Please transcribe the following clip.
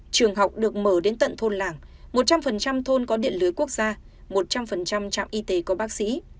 trường học được mở đến tận thôn làng một trăm linh thôn có điện lưới quốc gia một trăm linh trạm y tế có bác sĩ